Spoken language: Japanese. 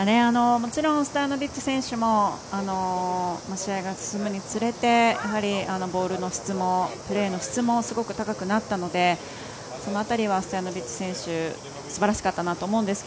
もちろんストヤノビッチ選手も試合が進むにつれてボールの質もプレーの質もすごく高くなったのでその辺りはストヤノビッチ選手すばらしかったなと思うんですが。